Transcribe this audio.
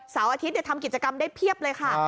เสาร์อาทิตย์เดี๋ยวทำกิจกรรมได้เพียบเลยค่ะ